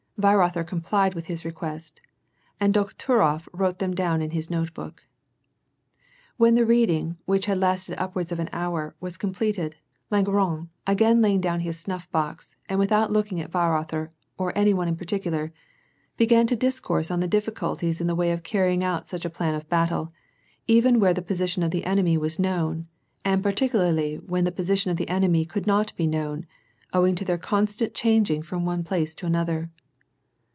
Weirother complied with his request, and Dokhturof wrote them down in his notebook. When the reading, which had lasted upwards of an hour, was completed, Langeron, again laying down his snuff box, and without looking at Weirother, or any one in particular, began to discourse on the difficulties in the way of carrying out such a plan of battle, even where the position of the enemy was known, and particularly when the position of the enemy could not be known, owing to their constant changing from one place to another.